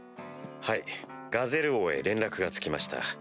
はいガゼル王へ連絡がつきました。